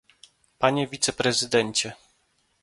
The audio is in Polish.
Panie wiceprezydencie